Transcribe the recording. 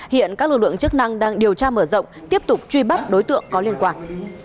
hiện các lực lượng chức năng đang điều tra mở rộng tiếp tục truy bắt đối tượng có liên quan